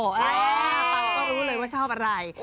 ทุกคนก็รู้เลยว่าชอบอะไร